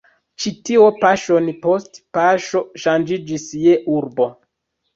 Ĉio tio paŝon post paŝo ŝanĝiĝis je urbo.